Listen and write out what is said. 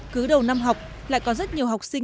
cứ đầu năm học lại có rất nhiều học sinh